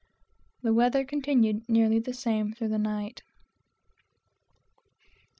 The weather continued nearly the same through the night.